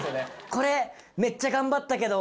これめっちゃ頑張ったけど。